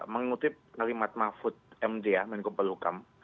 mengutip kalimat mahfud md ya menko pelukam